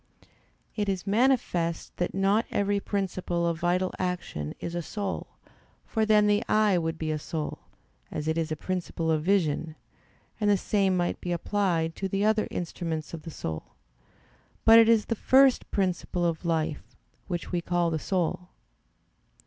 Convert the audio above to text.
It is manifest that not every principle of vital action is a soul, for then the eye would be a soul, as it is a principle of vision; and the same might be applied to the other instruments of the soul: but it is the first principle of life, which we call the soul.